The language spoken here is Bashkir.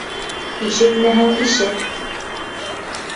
Ишетмәһәң ишет!